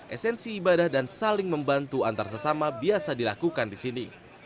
esensi ibadah dan saling membantu antar sesama biasa dilakukan di sini